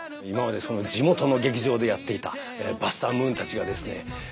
今まで地元の劇場でやっていたバスター・ムーンたちがですね